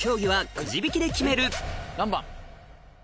何番？